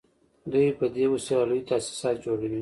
دوی په دې وسیله لوی تاسیسات جوړوي